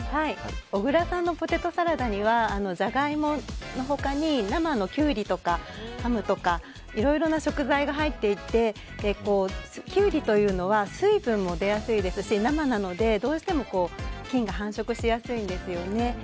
小倉さんのポテトサラダにはジャガイモの他に生のキュウリとかハムとかいろいろな食材が入っていてキュウリは、水分も出やすいですし生なので、どうしても菌が繁殖しやすいんですよね。